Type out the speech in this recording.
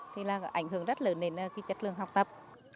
thì là ảnh hưởng rất lớn đến cái chất lượng học tập